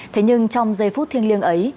thế nhưng trong giây phút thiêng liêng ấy